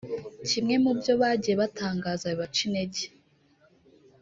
Kimwe mu byo bagiye batangaza bibaca integer